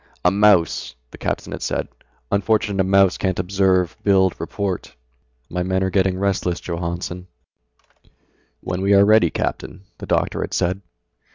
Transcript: "A mouse!" the captain had said, "unfortunate a mouse can't observe, build, report. My men are getting restless, Johannsen." "When we are ready, Captain," the doctor had said.